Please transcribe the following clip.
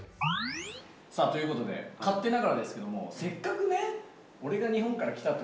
さあ、ということで、勝手ながらですけども、せっかくね、俺が日本から来たという